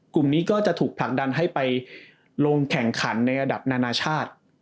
กลุ่มนี้ก็จะถูกผลักดันให้ไปลงแข่งขันในระดับนานาชาติ